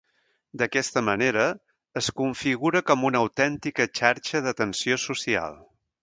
D'aquesta manera, es configura com una autèntica xarxa d'atenció social.